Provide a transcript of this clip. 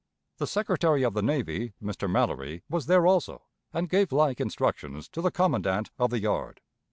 The Secretary of the Navy, Mr. Mallory, was there also, and gave like instructions to the commandant of the yard.